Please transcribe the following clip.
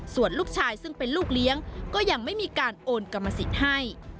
ส่วนลูกชายซึ่งเป็นลูกเลี้ยงก็ยังไม่มีการโอนกรรมสิทธิ์ให้